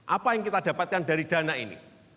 apa yang kita dapatkan dari dana ini